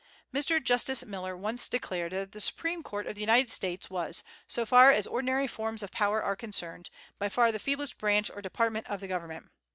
Mr. Justice Miller once declared that the Supreme Court of the United States was, "so far as ordinary forms of power are concerned, by far the feeblest branch or department of the Government.